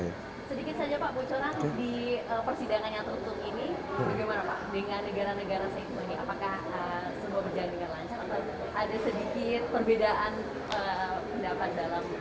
sedikit saja pak bocoran di persidangan yang terhutung ini bagaimana pak